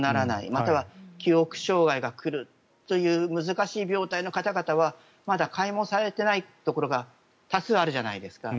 または記憶障害が来るという難しい病態の方々はまだ快癒されていないことが多数あるじゃないですか。